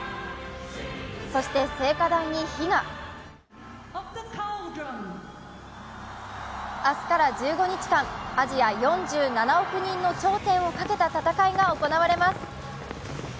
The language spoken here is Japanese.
そして聖火台に火が明日から１５日間アジア４７億人の頂点をかけた戦いが行われます。